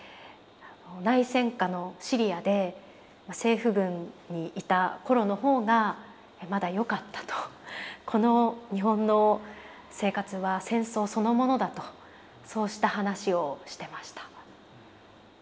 「内戦下のシリアで政府軍にいた頃の方がまだよかった」と「この日本の生活は戦争そのものだ」とそうした話をしてました。